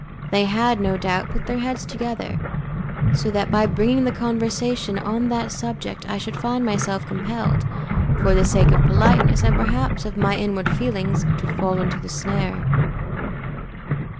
They had, no doubt, put their heads together, so that by bringing the conversation on that subject I should find myself compelled, for the sake of politeness and perhaps of my inward feelings, to fall into the snare.